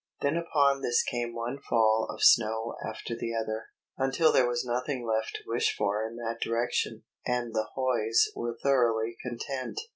Then upon this came one fall of snow after the other, until there was nothing left to wish for in that direction, and the hoys were thoroughly content.